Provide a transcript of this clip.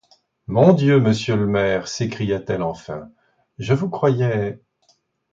Mon Dieu, monsieur le maire, s'écria-t-elle enfin, je vous croyais....